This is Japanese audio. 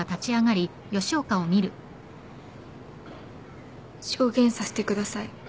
証言させてください。